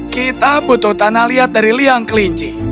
kita butuh tanah liat dari liang kelinci